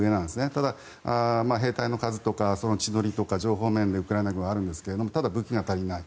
ただ兵隊の数とか地の利とか情報面がウクライナ側にあるんですがただ、武器が足りない。